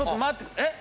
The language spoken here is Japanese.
えっ？